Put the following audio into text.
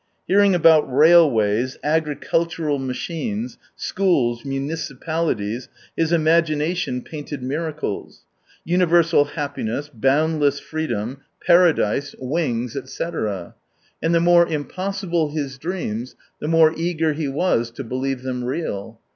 Hearing about railways, agricultural machines, schools, municipalities, his imagi nation painted miracles : universal happi ness, boundless freedom, paradise, wings, 39 etc. And the more impossible his dreams, the more eager he was to believe them real.